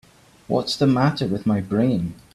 What's the matter with my brain?